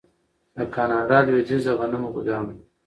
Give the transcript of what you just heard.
د کاناډا لویدیځ د غنمو ګدام دی.